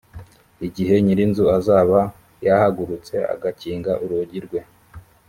igihe nyir inzu azaba yahagurutse agakinga urugi rwe